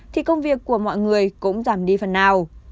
thì công việc của mọi người cũng giảm đi phần nào